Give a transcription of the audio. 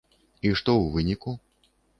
І што ў выніку?